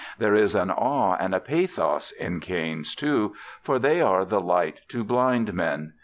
There is an awe and a pathos in canes, too, for they are the light to blind men.